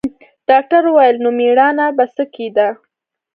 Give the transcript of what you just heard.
ډاکتر وويل نو مېړانه په څه کښې ده.